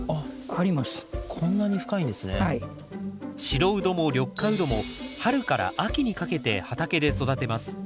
白ウドも緑化ウドも春から秋にかけて畑で育てます。